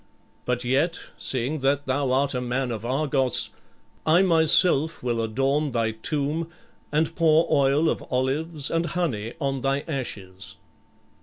But yet, seeing that thou art a man of Argos, I myself will adorn thy tomb and pour oil of olives and honey on thy ashes."